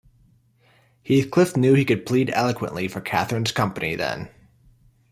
Heathcliff knew he could plead eloquently for Catherine’s company, then.